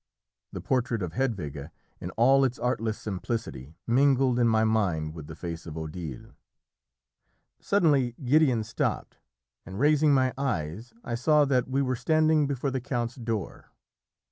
The portrait of Hedwige, in all its artless simplicity, mingled in my mind with the face of Odile. Suddenly Gideon stopped, and, raising my eyes, I saw that we were standing before the count's door.